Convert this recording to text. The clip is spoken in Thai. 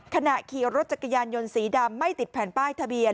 ขณะขี่รถจักรยานยนต์สีดำไม่ติดแผ่นป้ายทะเบียน